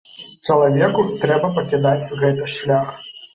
Чалавеку трэба пакідаць гэты шлях.